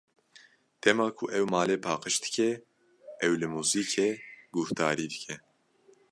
Dema ku ew malê paqij dike, ew li muzîkê guhdarî dike.